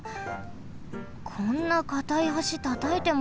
こんなかたい橋たたいてもさ。